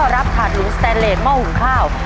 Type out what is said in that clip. รับถาดหลุมสแตนเลสหม้อหุงข้าว